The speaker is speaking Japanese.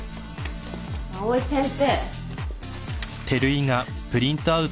藍井先生。